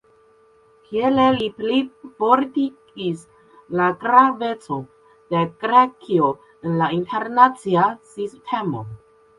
Tiele li plifortigis la gravecon de Grekio en la internacia sistemo.